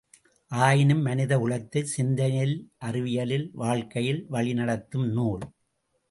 ஆயினும் மனித குலத்தைச் சிந்தனையில் அறிவியலில் வாழ்க்கையில் வழிநடத்தும் நூல்.